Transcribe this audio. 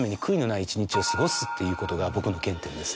っていうことが僕の原点です。